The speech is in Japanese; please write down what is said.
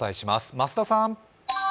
増田さん。